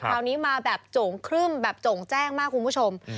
คราวนี้มาแบบโจ่งครึ่มแบบโจ่งแจ้งมากคุณผู้ชม